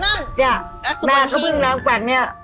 เนี่ยแม่โคร่งน้ำกวัดเนี่ย